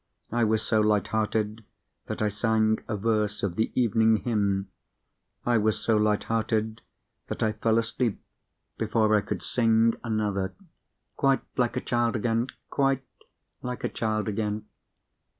I was so light hearted that I sang a verse of the Evening Hymn. I was so light hearted that I fell asleep before I could sing another. Quite like a child again! quite like a child again!